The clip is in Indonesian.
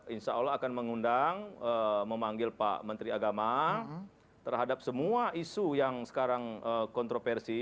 insya allah akan mengundang memanggil pak menteri agama terhadap semua isu yang sekarang kontroversi